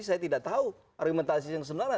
saya tidak tahu argumentasi yang sebenarnya